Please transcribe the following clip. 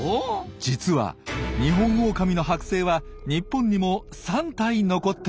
実はニホンオオカミのはく製は日本にも３体残っているんです。